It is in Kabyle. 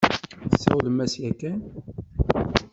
Tesawlem-as yakan?